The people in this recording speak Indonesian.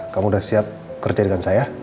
kamu sudah siap kerja dengan saya